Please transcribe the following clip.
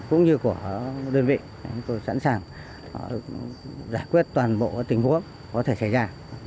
cũng như của đơn vị để chúng tôi sẵn sàng giải quyết toàn bộ tình huống có thể xảy ra